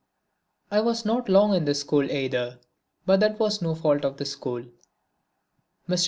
I was not long in this school either but that was no fault of the school. Mr.